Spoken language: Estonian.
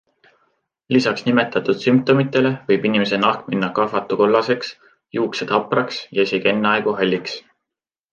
Lisaks nimetatud sümptomitele võib inimese nahk minna kahvatukollaseks, juuksed hapraks ja isegi enneaegu halliks.